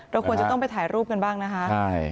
ควรจะต้องไปถ่ายรูปกันบ้างนะคะ